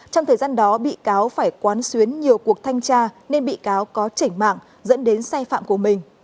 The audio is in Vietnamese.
trong thời gian đó bị cáo phải quán xuyến nhiều cuộc thanh tra nên bị cáo có trảnh mạng dẫn đến sai phạm của mình